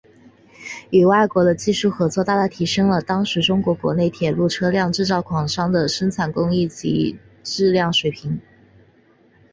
与国外的技术合作大大提升了当时中国国内铁路车辆制造厂商的生产工艺及质量水平。